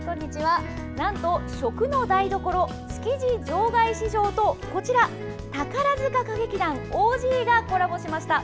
なんと食の台所築地場外市場と宝塚歌劇団ＯＧがコラボしました。